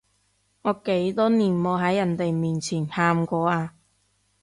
我幾多年冇喺人哋面前喊過啊